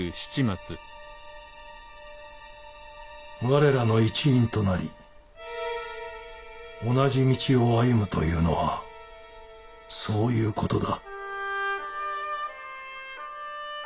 我らの一員となり同じ道を歩むというのはそういう事だ。